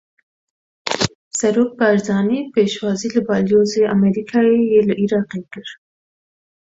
Serok Barzanî pêşwazî li Balyozê Amerîkayê yê li Iraqê kir.